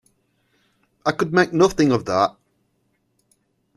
I could make nothing of that.